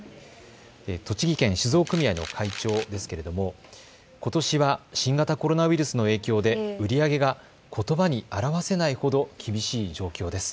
栃木県酒造組合の会長ですがことしは新型コロナウイルスの影響で売り上げがことばに表せないほど厳しい状況です。